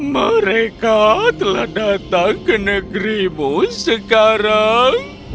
mereka telah datang ke negerimu sekarang